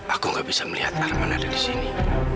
aku gak bisa melihat arman ada di sini